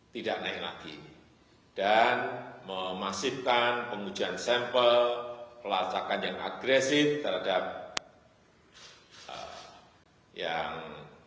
tidak naik lagi dan memasifkan pengujian sampel pelacakan yang agresif terhadap yang